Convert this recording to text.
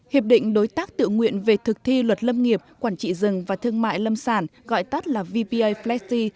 hiệp định đối tác tự nguyện về thực thi luật lâm nghiệp quản trị rừng và thương mại lâm sản gọi tắt là vpa flecti